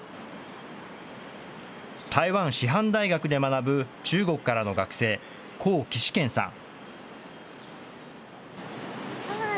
台湾師範大学で学ぶ、中国からの学生、向希子蒹さん。